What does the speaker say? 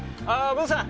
ブンさん。